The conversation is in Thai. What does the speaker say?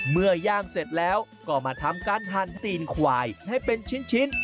เมื่อย่างเสร็จแล้วก็มาทำการหั่นตีนควายให้เป็นชิ้น